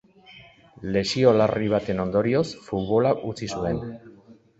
Lesio larri baten ondorioz, futbola utzi zuen.